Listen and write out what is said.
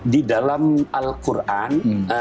di dalam al quran